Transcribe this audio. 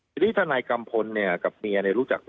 ทีนี้ทนายกัมพลกับเมียรู้จัก